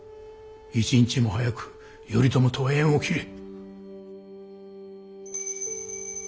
一日も早く頼朝とは縁を切れ。